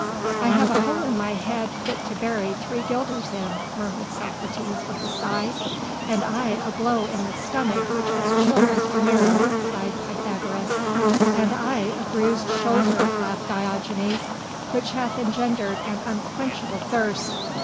"I have a hole in my head fit to bury those three guilders in," murmured Socrates, with a sigh. "And I a blow in the stomach which has chilled me to the marrow," sighed Pythagoras. "And I a bruised shoulder," laughed Diogenes, "which hath engendered an unquenchable thirst."